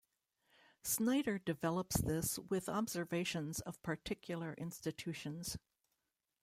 Snyder develops this with observations of particular institutions.